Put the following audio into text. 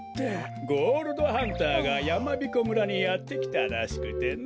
ゴールドハンターがやまびこ村にやってきたらしくてね。